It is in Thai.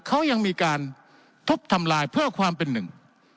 เขายังมีการทุบทำลายเพื่อความเป็นหนึ่ง